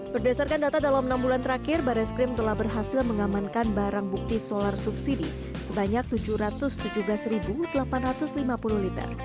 berdasarkan data dalam enam bulan terakhir baris krim telah berhasil mengamankan barang bukti solar subsidi sebanyak tujuh ratus tujuh belas delapan ratus lima puluh liter